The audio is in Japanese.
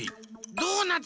ドーナツ。